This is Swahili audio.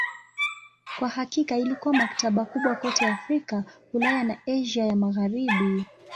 Kwa hakika ilikuwa maktaba kubwa kote Afrika, Ulaya na Asia ya Magharibi.